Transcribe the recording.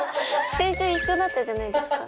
先週一緒だったじゃないですか。